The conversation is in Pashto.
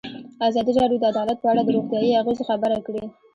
ازادي راډیو د عدالت په اړه د روغتیایي اغېزو خبره کړې.